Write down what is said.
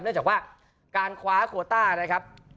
เนื่องจากว่าการคว้าโคต้านะครับ